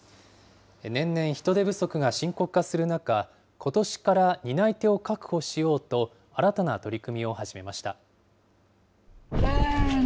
年々人手不足が深刻化する中、ことしから担い手を確保しようと新たな取り組みを始めました。